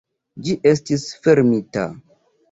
Ĝi estis fermita.